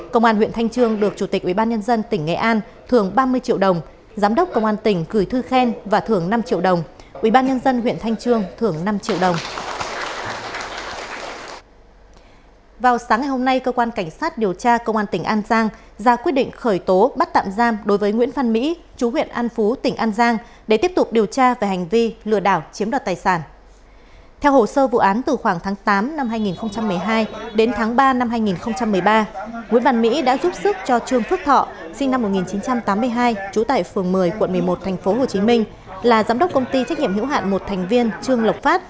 công an huyện thanh trương được chủ tịch ubnd tỉnh nghệ an thưởng ba mươi triệu đồng giám đốc công an tỉnh cửi thư khen và thưởng năm triệu đồng ubnd huyện thanh trương thưởng năm triệu đồng ubnd huyện thanh trương thưởng năm triệu đồng